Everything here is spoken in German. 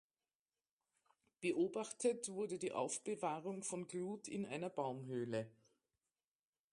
Beobachtet wurde die Aufbewahrung von Glut in einer Baumhöhle.